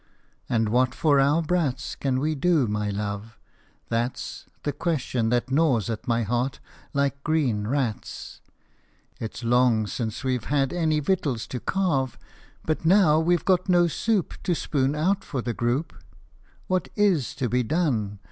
And what for our brats Can we do, my love ? That 's The question that gnaws at my heart ' like green rats !' It 's long since we had any victuals to carve, But now we Ve no soup To spoon out for the group What is to be done